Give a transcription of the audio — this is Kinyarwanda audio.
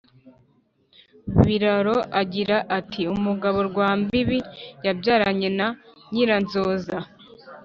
biraro agira ati: “umugabo rwambibi yabyaranye na nyiranzoza